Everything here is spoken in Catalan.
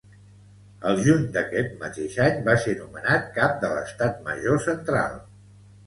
Al juny d'aquest mateix any va ser nomenat cap de l'Estat Major Central.